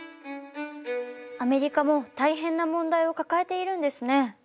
アメリカも大変な問題を抱えているんですね。